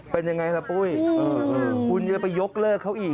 เป็นยังไงล่ะปุ้ยคุณอย่าไปยกเลิกเขาอีก